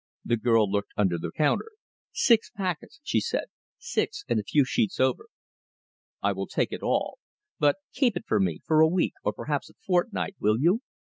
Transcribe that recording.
The girl looked under the counter. "Six packets," she said. "Six, and a few sheets over." "I will take it all. But keep it for me, for a week, or perhaps a fortnight, will you?"